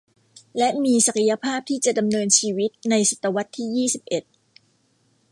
และมีศักยภาพที่จะดำเนินชีวิตในศตวรรษที่ยี่สิบเอ็ด